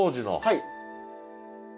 はい。